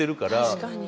確かに。